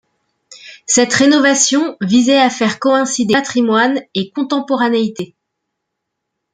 Cette rénovation visait à faire coïncider patrimoine et contemporanéité.